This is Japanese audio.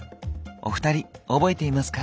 お二人覚えていますか？